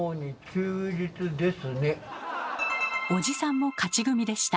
おじさんも勝ち組でした。